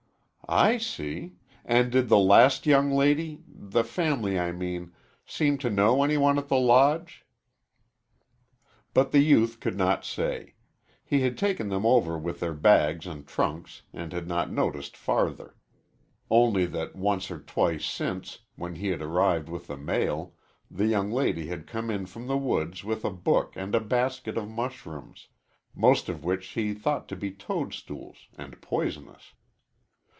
"I see; and did the last young lady the family, I mean seem to know any one at the Lodge?" But the youth could not say. He had taken them over with their bags and trunks and had not noticed farther, only that once or twice since, when he had arrived with the mail, the young lady had come in from the woods with a book and a basket of mushrooms, most of which he thought to be toadstools, and poisonous.